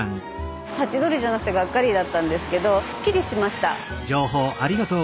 ハチドリじゃなくてがっかりだったんですけどすっきりしました。